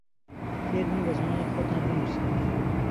فێربن بە زمانی خۆتان بنووسن